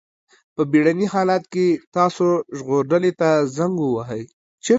په بېړني حالت کې تاسو ژغورډلې ته زنګ ووهئ.